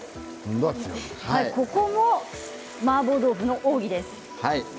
ここもマーボー豆腐の奥義です。